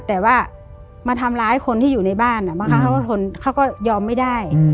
แต่ว่ามาทำร้ายคนที่อยู่ในบ้านเขาก็ยอมไม่ได้